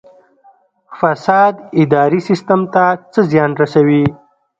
فساد اداري سیستم ته څه زیان رسوي؟